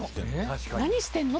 何してんの？